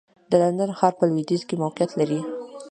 د لندن ښار په لوېدیځ کې موقعیت لري.